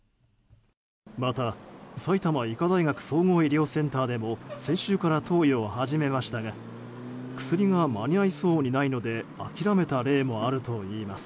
また、埼玉医科大学総合医療センターでも先週から投与を始めましたが薬が間に合いそうにないので諦めた例もあるといいます。